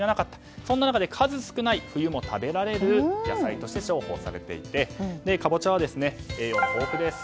そんな中、数少ない冬にも食べられる野菜として重宝されていてカボチャは栄養豊富です。